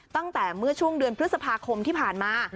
ตั้งแต่เมื่อช่วงเดือนพฤษภาคมที่ผ่านมา